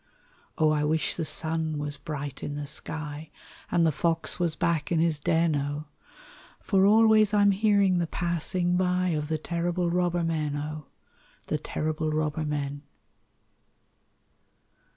O! I wish the sun was bright in the sky, And the fox was back in his den, O ! For always I'm hearing the passing by Of the terrible robber men, O ! The terrible robber men.